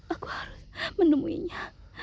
aku harus menemuinya